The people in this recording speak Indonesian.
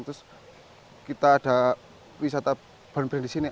terus kita ada wisata bon pring di sini